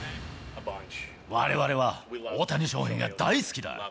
われわれは大谷翔平が大好きだ。